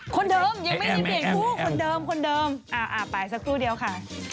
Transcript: คนเดิมยังไม่ได้เปลี่ยนผู้คนเดิมอ่าไปสักครู่เดี๋ยวค่ะ